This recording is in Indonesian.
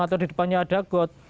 atau di depannya ada got